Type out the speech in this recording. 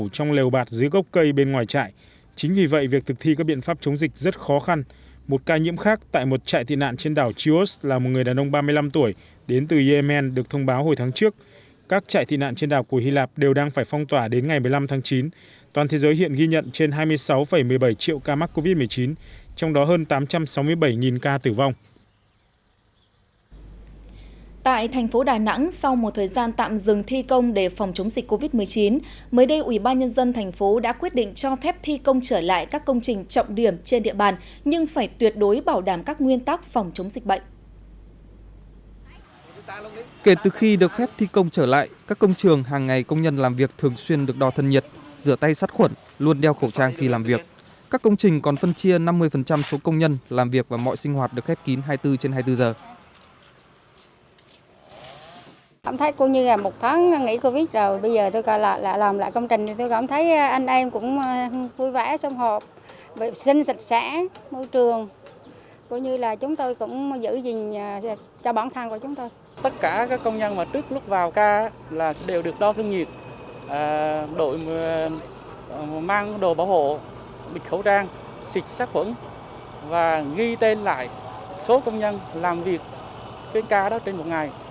đồ bảo hộ bịch khẩu trang xịt sát khuẩn và ghi tên lại số công nhân làm việc phía ca đó trên một ngày